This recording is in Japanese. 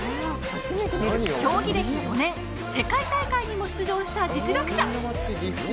競技歴４年世界大会にも出場した実力者。